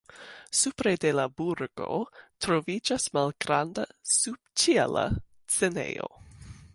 Supre de la burgo troviĝas malgranda subĉiela scenejo.